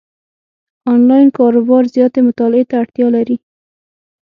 انلاین کاروبار زیاتې مطالعې ته اړتیا لري،